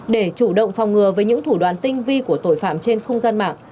để chủ động phòng ngừa với những thủ đoạn tinh vi của tội phạm trên không gian mạng